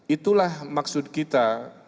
itulah maksud kita